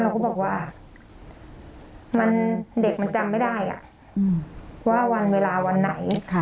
เราก็บอกว่าเด็กมันจำไม่ได้ว่าวันเวลาวันไหน